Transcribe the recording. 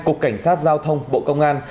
cục cảnh sát giao thông bộ công an